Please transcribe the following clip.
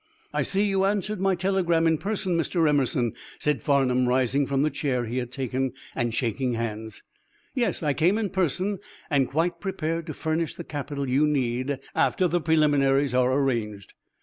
"I see you answered my telegram in person, Mr. Emerson," said Farnum, rising from the chair he had taken and shaking hands. "Yes, I came in person, and quite prepared to furnish the capital you need after the preliminaries are arranged."